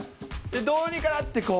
どうにかなって、こう。